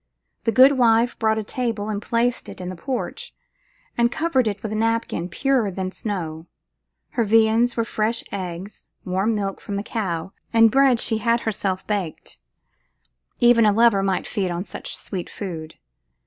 The good wife brought a table and placed it in the porch, and covered it with a napkin purer than snow. Her viands were fresh eggs, milk warm from the cow, and bread she had herself baked. Even a lover might feed on such sweet food.